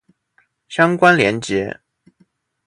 相关连结